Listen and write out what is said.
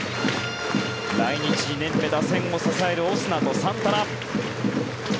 来日２年目打線を支えるオスナとサンタナ。